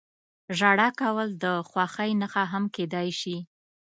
• ژړا کول د خوښۍ نښه هم کېدای شي.